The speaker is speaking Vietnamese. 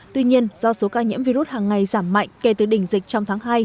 tuy nhiên do số ca nhiễm virus hàng ngày giảm mạnh kể từ đỉnh dịch trong tháng hai